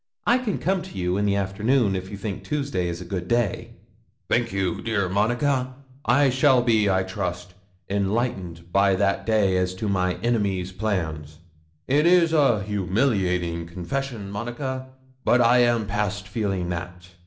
I can come to you in the afternoon, if you think Tuesday a good day." '"Thank you, dear Monica. I shall be, I trust, enlightened by that day as to my enemies' plans. It is a humiliating confession, Monica, but I am past feeling that.